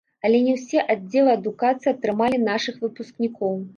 Але не ўсе аддзелы адукацыі атрымалі нашых выпускнікоў.